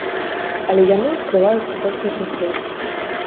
Але яны адкрываюцца толькі знутры.